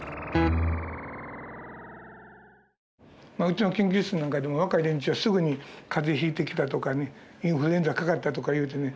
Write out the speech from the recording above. うちの研究室なんかでも若い連中はすぐに風邪ひいてきたとかねインフルエンザかかったとか言うてね。